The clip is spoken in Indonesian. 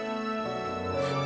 jam besok sudah habis